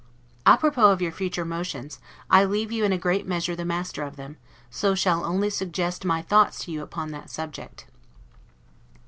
A propos of your future motions; I leave you in a great measure the master of them, so shall only suggest my thoughts to you upon that subject.